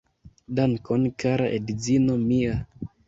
Dankon kara edzino mia